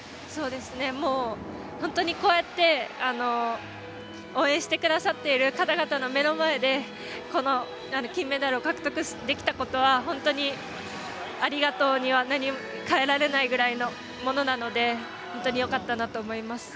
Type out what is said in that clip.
本当にこうやって応援してくださっている方々の目の前でこの金メダルを獲得できたことは本当にありがとうには代えられないぐらいのものなので本当に良かったなと思います。